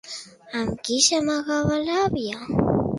Amb qui s'amagava l'àvia?